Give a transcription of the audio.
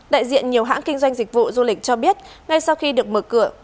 đại diện nhiều hãng kinh doanh dịch vụ du lịch cho biết ngay sau khi được mở cửa